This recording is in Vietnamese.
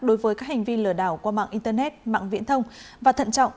đối với các hành vi lừa đảo qua mạng internet mạng viễn thông và thận trọng